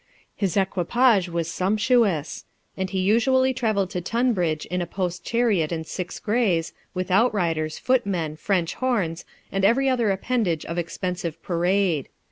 His equipage was sumptuous, and he usually travelled to Tunbridge in a post chariot and six greys, with out riders, footmen, French horns, and every other appendage of expensive parade.